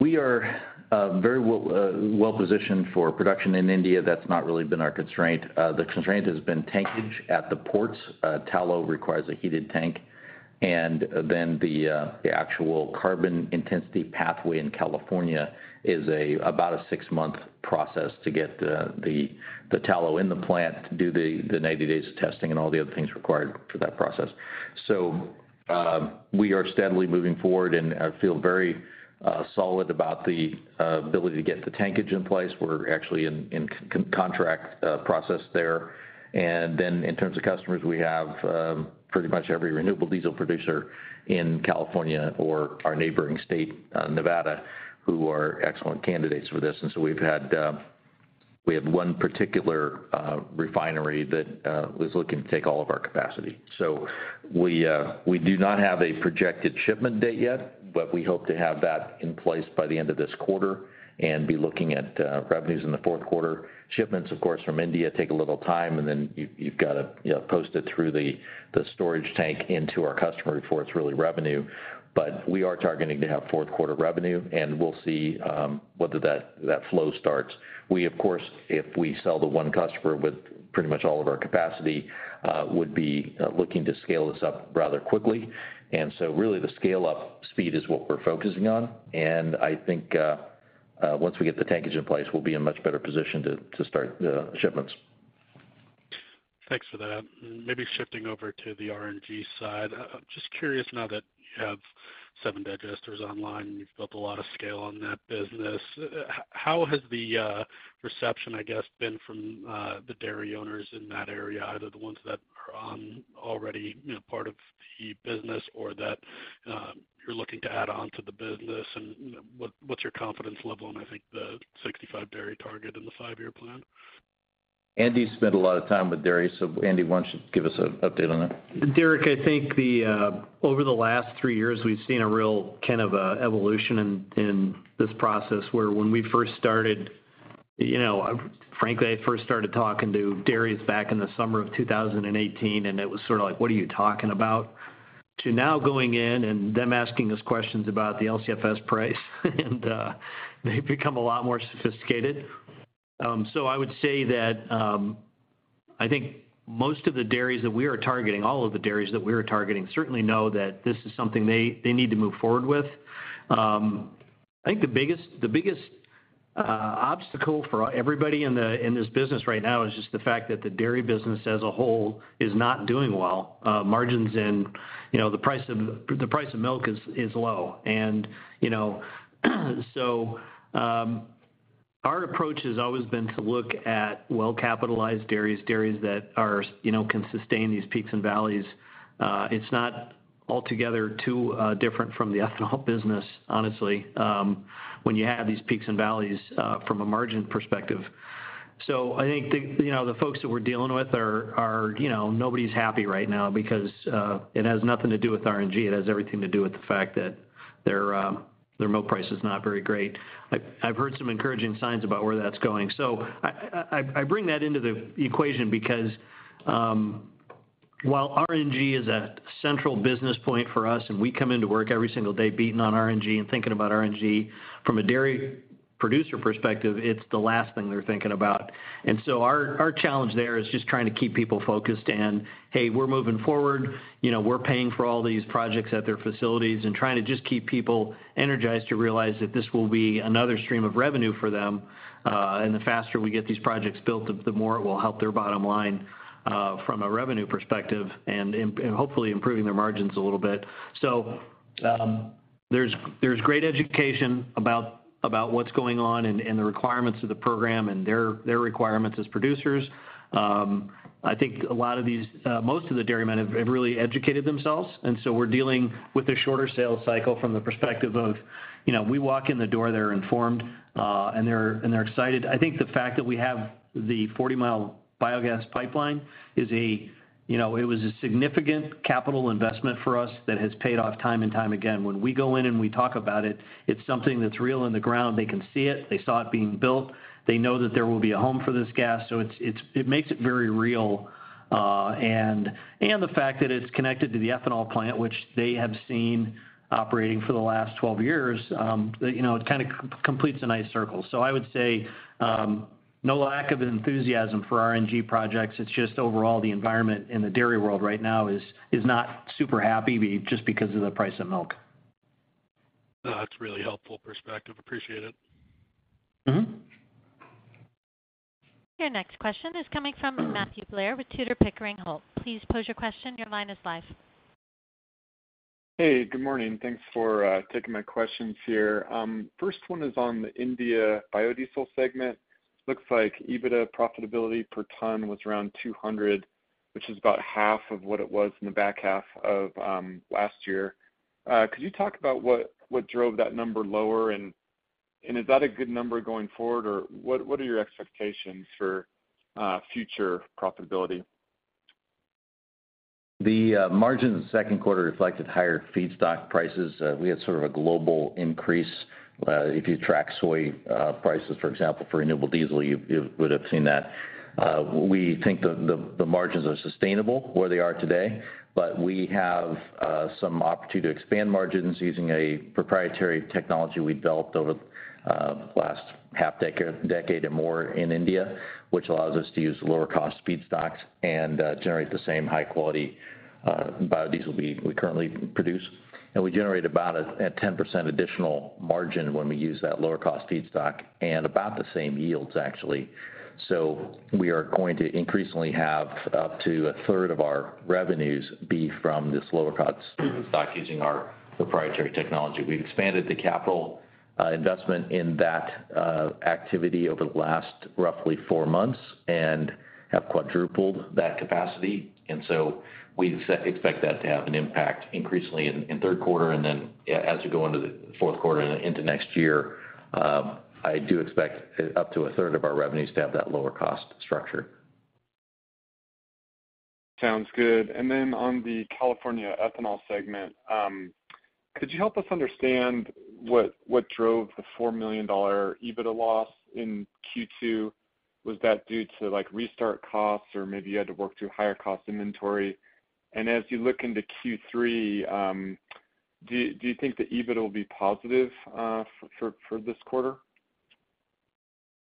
We are very well well-positioned for production in India. That's not really been our constraint. The constraint has been tankage at the ports. Tallow requires a heated tank, and then the actual carbon intensity pathway in California is about a six-month process to get the tallow in the plant to do the 90 days of testing and all the other things required for that process. So, we are steadily moving forward, and I feel very solid about the ability to get the tankage in place. We're actually in contract process there. And then in terms of customers, we have pretty much every renewable diesel producer in California or our neighboring state, Nevada, who are excellent candidates for this. We've had, we have one particular refinery that was looking to take all of our capacity. We do not have a projected shipment date yet, but we hope to have that in place by the end of this quarter and be looking at revenues in the Fourth quarter. Shipments, of course, from India, take a little time, and then you've got to, you know, post it through the storage tank into our customer before it's really revenue. We are targeting to have Fourth-quarter revenue, and we'll see whether that, that flow starts. We, of course, if we sell the one customer with pretty much all of our capacity, would be looking to scale this up rather quickly. Really, the scale-up speed is what we're focusing on, and I think. once we get the tankage in place, we'll be in much better position to, to start the shipments. Thanks for that. Maybe shifting over to the RNG side. Just curious now that you have 7 digesters online, you've built a lot of scale on that business. How, how has the reception, I guess, been from the dairy owners in that area, either the ones that are on already, you know, part of the business or that, you're looking to add on to the business, and what, what's your confidence level on, I think, the 65 dairy target in the 5-year plan? Andy spent a lot of time with dairy, so Andy, why don't you give us an update on that? Jordan, I think the over the last 3 years, we've seen a real kind of evolution in, in this process, where when we first started, you know, frankly, I first started talking to dairies back in the summer of 2018, and it was sort of like, what are you talking about? To now going in and them asking us questions about the LCFS price, and they've become a lot more sophisticated. I would say that I think most of the dairies that we are targeting, all of the dairies that we are targeting, certainly know that this is something they, they need to move forward with. I think the biggest, the biggest obstacle for everybody in this business right now is just the fact that the dairy business as a whole is not doing well. Margins and, you know, the price of, the price of milk is, is low. You know, our approach has always been to look at well-capitalized dairies, dairies that are, you know, can sustain these peaks and valleys. It's not altogether too different from the ethanol business, honestly, when you have these peaks and valleys from a margin perspective. I think the, you know, the folks that we're dealing with are, are, you know, nobody's happy right now because it has nothing to do with RNG, it has everything to do with the fact that their milk price is not very great. I've, I've heard some encouraging signs about where that's going. I, I, I bring that into the equation because, while RNG is a central business point for us, and we come into work every single day beating on RNG and thinking about RNG, from a dairy producer perspective, it's the last thing they're thinking about. Our, our challenge there is just trying to keep people focused and, hey, we're moving forward, you know, we're paying for all these projects at their facilities, and trying to just keep people energized to realize that this will be another stream of revenue for them, and the faster we get these projects built, the more it will help their bottom line, from a revenue perspective and hopefully improving their margins a little bit. There's, there's great education about, about what's going on and, and the requirements of the program and their, their requirements as producers. I think a lot of these, most of the dairymen have, have really educated themselves, and so we're dealing with a shorter sales cycle from the perspective of, you know, we walk in the door, they're informed, and they're, and they're excited. I think the fact that we have the 40-mile biogas pipeline is a, you know, it was a significant capital investment for us that has paid off time and time again. When we go in and we talk about it, it's something that's real on the ground. They can see it, they saw it being built. They know that there will be a home for this gas, so it's, it makes it very real. The fact that it's connected to the ethanol plant, which they have seen operating for the last 12 years, you know, it kinda completes a nice circle. I would say, no lack of enthusiasm for RNG projects. It's just overall, the environment in the dairy world right now is, is not super happy, just because of the price of milk. That's a really helpful perspective. Appreciate it. Mm-hmm. Your next question is coming from Matthew Blair with Tudor, Pickering, Holt. Please pose your question. Your line is live. Hey, good morning. Thanks for taking my questions here. First one is on the India biodiesel segment. Looks like EBITDA profitability per ton was around $200, which is about half of what it was in the back half of last year. Could you talk about what, what drove that number lower? Is that a good number going forward, or what, what are your expectations for future profitability? The margin in the second quarter reflected higher feedstock prices. We had sort of a global increase. If you track soy prices, for example, for renewable diesel, you, you would have seen that. We think the margins are sustainable where they are today, but we have some opportunity to expand margins using a proprietary technology we developed over the last half decade, decade and more in India, which allows us to use lower-cost feedstocks and generate the same high quality biodiesel we, we currently produce. We generate about a 10% additional margin when we use that lower-cost feedstock and about the same yields, actually. We are going to increasingly have up to a third of our revenues be from this lower-cost feedstock using our proprietary technology. We've expanded the capital investment in that activity over the last roughly four months and have quadrupled that capacity, and so we expect that to have an impact increasingly in, in Third Quarter and then as we go into the Fourth Quarter and into next year, I do expect up to a third of our revenues to have that lower cost structure. Sounds good. On the California ethanol segment, could you help us understand what, what drove the $4 million EBITDA loss in Q2? Was that due to, like, restart costs or maybe you had to work through higher cost inventory? As you look into Q3, do you, do you think the EBITDA will be positive for, for this quarter?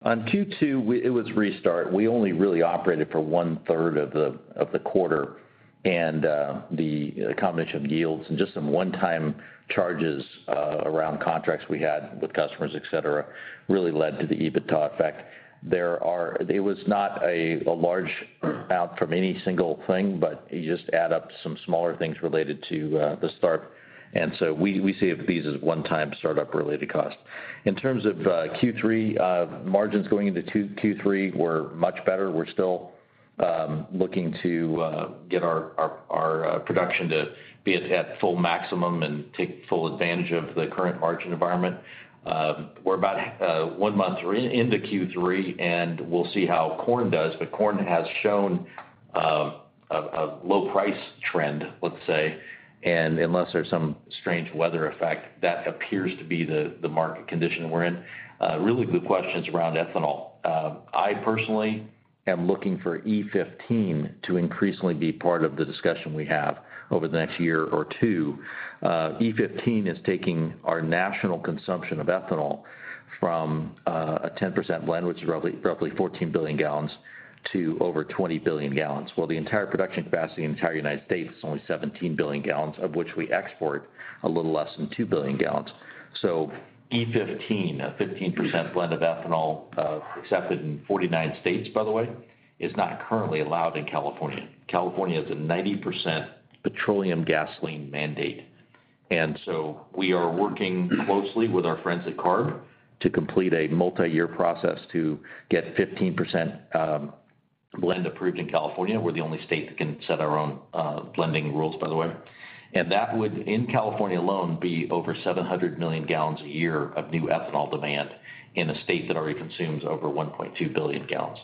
On Q two, it was restart. We only really operated for one-third of the, of the quarter, and the combination of yields and just some one-time charges around contracts we had with customers, et cetera, really led to the EBITDA effect. It was not a, a large amount from any single thing, but you just add up some smaller things related to the start. So we, we see these as one-time startup-related costs. In terms of Q three, margins going into Q three were much better. We're still looking to get our, our, our production to be at, at full maximum and take full advantage of the current margin environment. We're about one month into Q three, and we'll see how corn does. Corn has shown a low price trend, let's say, and unless there's some strange weather effect, that appears to be the market condition we're in. Really good questions around ethanol. I personally am looking for E-15 to increasingly be part of the discussion we have over the next year or two. E-15 is taking our national consumption of ethanol from a 10% blend, which is roughly 14 billion gallons, to over 20 billion gallons, while the entire production capacity in the entire United States is only 17 billion gallons, of which we export a little less than 2 billion gallons. E-15, a 15% blend of ethanol, accepted in 49 states, by the way, is not currently allowed in California. California has a 90% petroleum gasoline mandate, so we are working closely with our friends at CARB to complete a multi-year process to get 15% blend approved in California. We're the only state that can set our own blending rules, by the way. That would, in California alone, be over 700 million gallons a year of new ethanol demand in a state that already consumes over 1.2 billion gallons.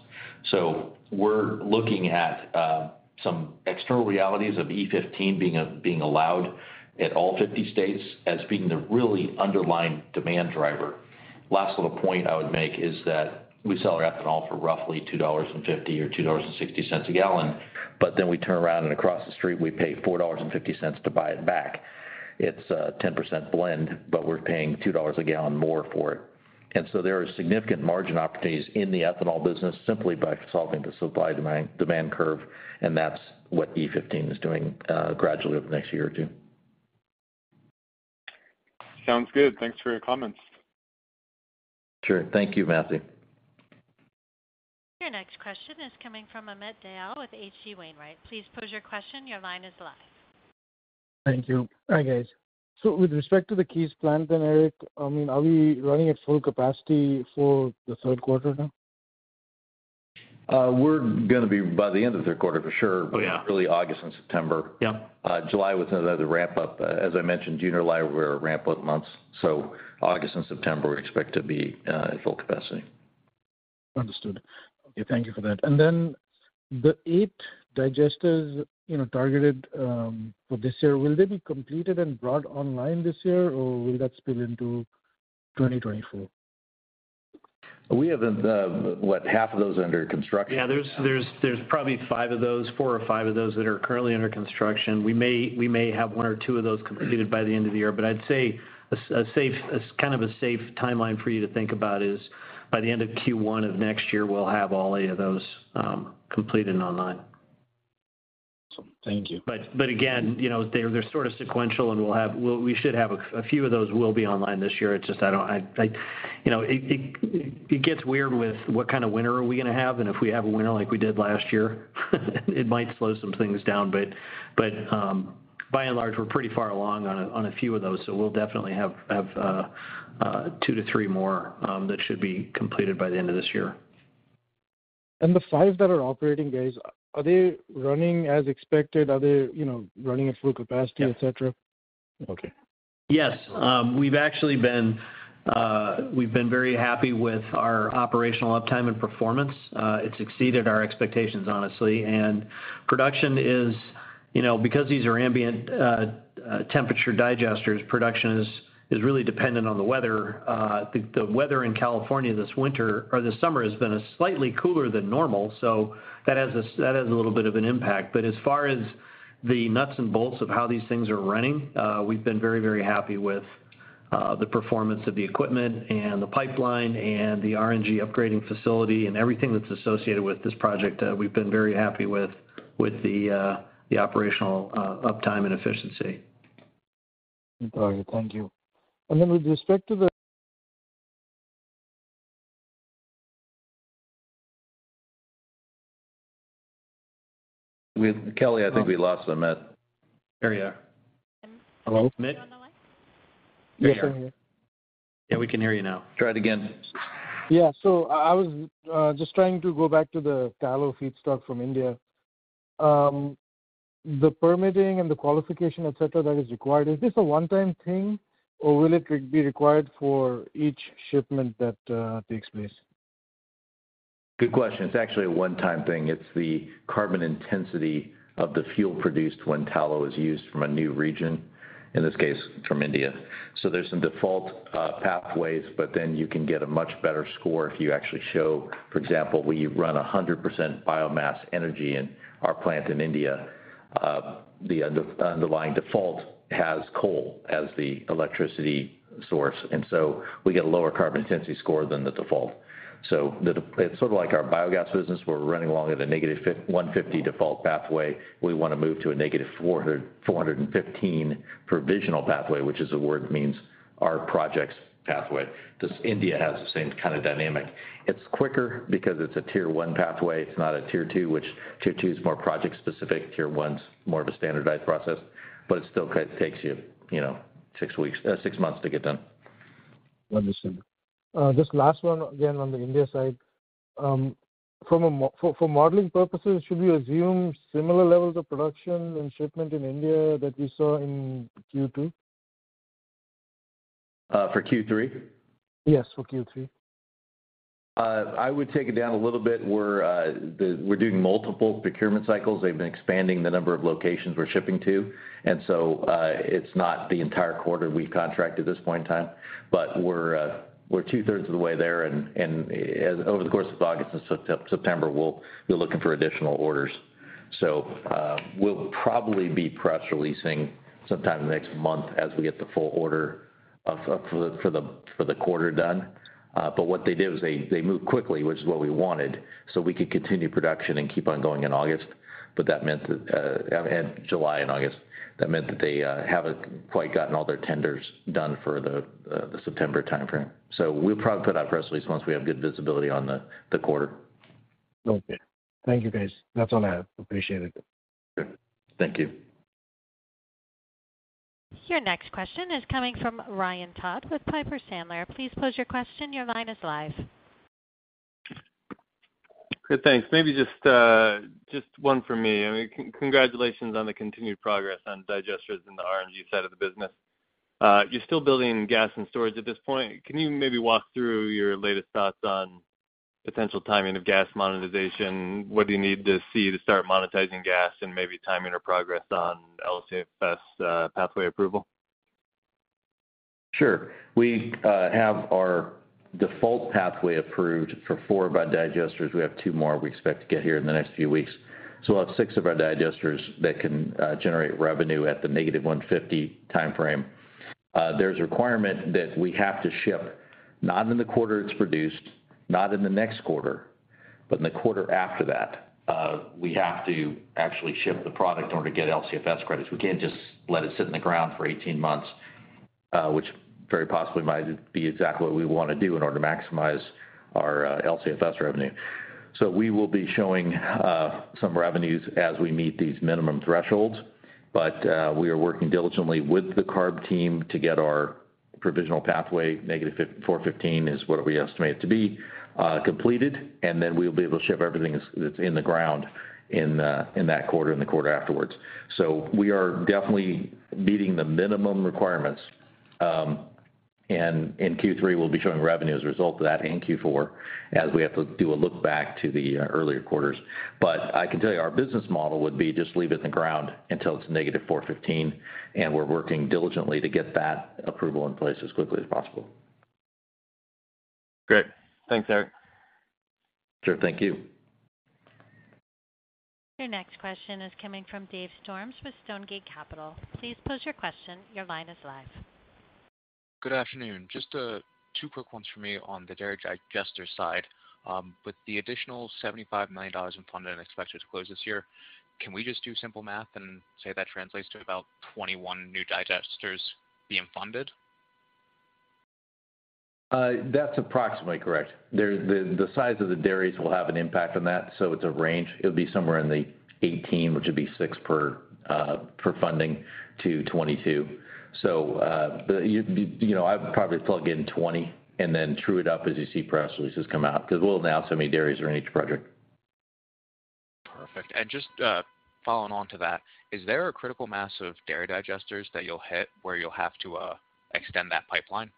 We're looking at some external realities of E-15 being allowed at all 50 states as being the really underlying demand driver. Last little point I would make is that we sell our ethanol for roughly $2.50 or $2.60 a gallon, then we turn around and across the street, we pay $4.50 to buy it back. It's a 10% blend, but we're paying $2 a gallon more for it. So there are significant margin opportunities in the ethanol business simply by solving the supply-demand, demand curve, and that's what E-15 is doing, gradually over the next year or two. Sounds good. Thanks for your comments. Sure. Thank you, Matthew. Your next question is coming from Amit Dayal with H.C. Wainwright. Please pose your question. Your line is live. Thank you. Hi, guys. With respect to the Keyes plant then, Eric, I mean, are we running at full capacity for the third quarter now? we're gonna be by the end of the third quarter, for sure. Oh, yeah. Early August and September. Yeah. July was another ramp-up. As I mentioned, June, July were ramp-up months. August and September, we expect to be at full capacity. Understood. Okay, thank you for that. The 8 digesters, you know, targeted for this year, will they be completed and brought online this year, or will that spill into 2024? We have, what, half of those under construction? Yeah, there's, there's, there's probably 5 of those, 4 or 5 of those that are currently under construction. We may, we may have 1 or 2 of those completed by the end of the year, but I'd say a safe, a kind of a safe timeline for you to think about is by the end of Q1 of next year, we'll have all 8 of those completed and online. Thank you. Again, you know, they're, they're sort of sequential, and we, we should have a few of those will be online this year. It's just I don't, I, you know, it gets weird with what kind of winter are we gonna have, and if we have a winter like we did last year, it might slow some things down. By and large, we're pretty far along on a, on a few of those, so we'll definitely have, have two to three more that should be completed by the end of this year. The five that are operating, guys, are they running as expected? Are they, you know, running at full capacity? Yeah... et cetera? Okay. Yes. We've actually been very happy with our operational uptime and performance. It's exceeded our expectations, honestly. Production is, you know, because these are ambient temperature digesters, production is really dependent on the weather. The weather in California this winter or this summer has been a slightly cooler than normal, so that has a little bit of an impact. As far as the nuts and bolts of how these things are running, we've been very, very happy with the performance of the equipment and the pipeline and the RNG upgrading facility and everything that's associated with this project. We've been very happy with, with the operational uptime and efficiency. Got it. Thank you. Then with respect to the- With Kelly, I think we lost Amit. There you are. Hello? Amit, you on the line? Yeah. Yeah, we can hear you now. Try it again. Yeah. I, I was just trying to go back to the tallow feedstock from India. The permitting and the qualification, et cetera, that is required, is this a one-time thing, or will it be required for each shipment that takes place? Good question. It's actually a one-time thing. It's the carbon intensity of the fuel produced when tallow is used from a new region, in this case, from India. There's some default pathways, but then you can get a much better score if you actually show, for example, we run 100% biomass energy in our plant in India. The underlying default has coal as the electricity source, and we get a lower carbon intensity score than the default. It's sort of like our biogas business, where we're running along at a -150 default pathway. We want to move to a -415 provisional pathway, which is a word means our projects pathway. This India has the same kind of dynamic. It's quicker because it's a tier one pathway, it's not a tier two, which tier two is more project-specific. Tier one's more of a standardized process, but it still kind of takes you, you know, six weeks, six months to get done. Understand. Just last one again, on the India side. For modeling purposes, should we assume similar levels of production and shipment in India that we saw in Q2? for Q3? Yes, for Q3. I would take it down a little bit. We're, we're doing multiple procurement cycles. They've been expanding the number of locations we're shipping to. It's not the entire quarter we've contracted at this point in time. We're, we're two-thirds of the way there, and, and as over the course of August and September, we'll be looking for additional orders. We'll probably be press releasing sometime in the next month as we get the full order of, for the, for the quarter done. What they did was they, they moved quickly, which is what we wanted, so we could continue production and keep on going in August. That meant that, and July and August, that meant that they, haven't quite gotten all their tenders done for the, the September timeframe. We'll probably put out a press release once we have good visibility on the quarter. Okay. Thank you, guys. That's all I have. Appreciate it. Thank you. Your next question is coming from Ryan Todd with Piper Sandler. Please pose your question. Your line is live. Good, thanks. Maybe just, just one for me. I mean, congratulations on the continued progress on digesters in the RNG side of the business. You're still building gas and storage at this point. Can you maybe walk through your latest thoughts on potential timing of gas monetization? What do you need to see to start monetizing gas, and maybe timing or progress on LCFS pathway approval? Sure. We have our default pathway approved for four of our digesters. We have two more we expect to get here in the next few weeks. We'll have six of our digesters that can generate revenue at the negative 150 timeframe. There's a requirement that we have to ship, not in the quarter it's produced, not in the next quarter, but in the quarter after that. We have to actually ship the product in order to get LCFS credits. We can't just let it sit in the ground for 18 months, which very possibly might be exactly what we want to do in order to maximize our LCFS revenue. We will be showing some revenues as we meet these minimum thresholds. We are working diligently with the CARB team to get our provisional pathway, negative 415 is what we estimate it to be, completed, and then we'll be able to ship everything that's in the ground in that quarter and the quarter afterwards. We are definitely meeting the minimum requirements. In Q3, we'll be showing revenue as a result of that, and Q4, as we have to do a look back to the earlier quarters. I can tell you, our business model would be just leave it in the ground until it's negative 415, and we're working diligently to get that approval in place as quickly as possible. Great. Thanks, Eric. Sure. Thank you. Your next question is coming from Dave Storms with Stonegate Capital. Please pose your question. Your line is live. Good afternoon. Just two quick ones for me on the dairy digester side. With the additional $75 million in funding expected to close this year, can we just do simple math and say that translates to about 21 new digesters being funded? That's approximately correct. The, the size of the dairies will have an impact on that, so it's a range. It'll be somewhere in the 18, which would be 6 per, per funding, to 22. But you, you know, I'd probably plug in 20 and then true it up as you see press releases come out, because we'll announce how many dairies are in each project. Perfect. Just, following on to that, is there a critical mass of dairy digesters that you'll hit, where you'll have to, extend that pipeline?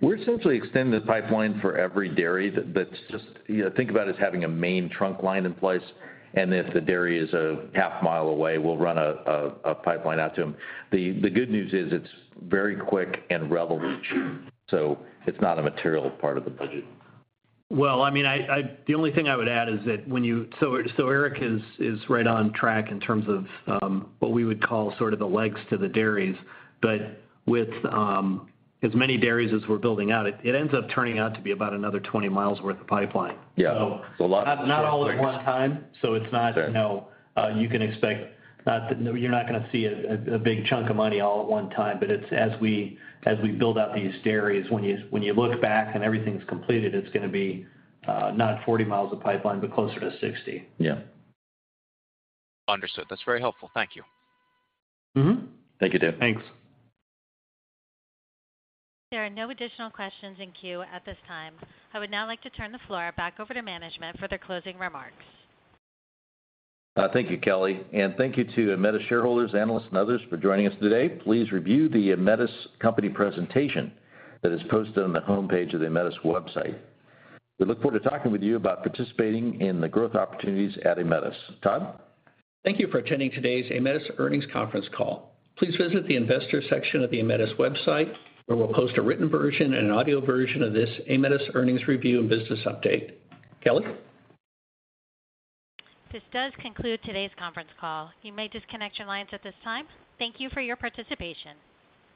We're essentially extending the pipeline for every dairy that's just... Think about it as having a main trunk line in place, and if the dairy is a half mile away, we'll run a, a, a pipeline out to them. The, the good news is it's very quick and relatively cheap, so it's not a material part of the budget. Well, I mean, I the only thing I would add is that Eric is right on track in terms of what we would call sort of the legs to the dairies. With as many dairies as we're building out, it ends up turning out to be about another 20 miles worth of pipeline. Yeah. Not all at one time, so it's not- Sure. You know, you can expect you're not gonna see a big chunk of money all at one time, but it's as we, as we build out these dairies, when you, when you look back and everything's completed, it's gonna be, not 40 miles of pipeline, but closer to 60. Yeah. Understood. That's very helpful. Thank you. Mm-hmm. Thank you, Dave. Thanks. There are no additional questions in queue at this time. I would now like to turn the floor back over to management for their closing remarks. Thank you, Kelly, and thank you to Aemetis shareholders, analysts and others for joining us today. Please review the Aemetis company presentation that is posted on the homepage of the Aemetis website. We look forward to talking with you about participating in the growth opportunities at Aemetis. Todd? Thank you for attending today's Aemetis earnings conference call. Please visit the investor section of the Aemetis website, where we'll post a written version and an audio version of this Aemetis earnings review and business update. Kelly? This does conclude today's conference call. You may disconnect your lines at this time. Thank you for your participation.